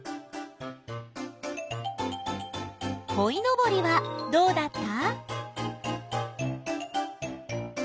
こいのぼりはどうだった？